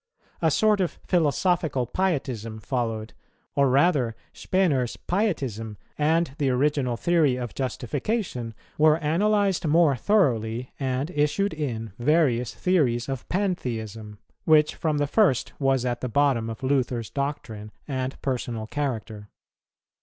A sort of philosophical Pietism followed; or rather Spener's pietism and the original theory of justification were analyzed more thoroughly, and issued in various theories of Pantheism, which from the first was at the bottom of Luther's doctrine and personal character.